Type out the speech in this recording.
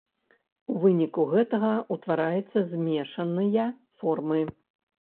У выніку гэтага ўтвараецца змешаныя формы.